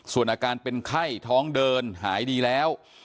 ส่วนอาการเป็นไข้ท้องเดินหายดีแล้ว